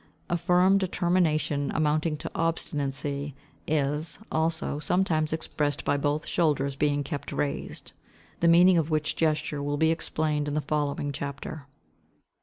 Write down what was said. A firm determination, amounting to obstinacy, is, also, sometimes expressed by both shoulders being kept raised, the meaning of which gesture will be explained in the following chapter.